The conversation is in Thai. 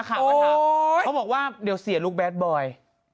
เขาบอกว่าเดี๋ยวเสียลูกแดดบอย